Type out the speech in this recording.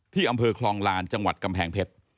อำเภอคลองลานจังหวัดกำแพงเพชร